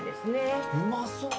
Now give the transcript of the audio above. うまそう。